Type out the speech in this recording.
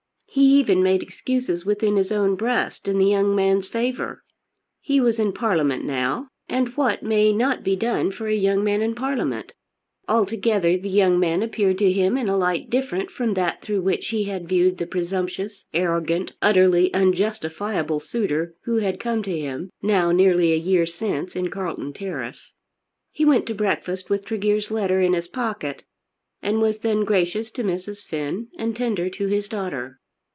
He even made excuses within his own breast in the young man's favour. He was in Parliament now, and what may not be done for a young man in Parliament? Altogether the young man appeared to him in a light different from that through which he had viewed the presumptuous, arrogant, utterly unjustifiable suitor who had come to him, now nearly a year since, in Carlton Terrace. He went to breakfast with Tregear's letter in his pocket, and was then gracious to Mrs. Finn, and tender to his daughter.